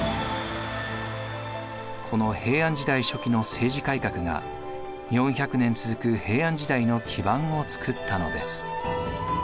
この平安時代初期の政治改革が４００年続く平安時代の基盤を作ったのです。